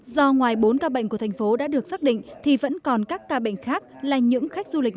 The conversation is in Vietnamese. do ngoài bốn ca bệnh của thành phố đã được xác định thì vẫn còn các ca bệnh khác là những khách du lịch